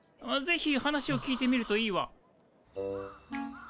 ぜひ話を聞いてみるといいわ。